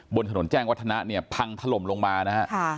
บนถนนแจ้งวัฒนะเนี่ยพังถล่มลงมานะฮะ